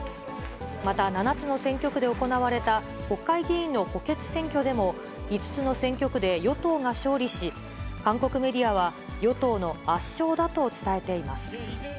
また、７つの選挙区で行われた国会議員の補欠選挙でも、５つの選挙区で与党が勝利し、韓国メディアは与党の圧勝だと伝えています。